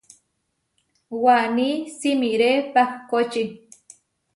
Waní simiré pahkóči.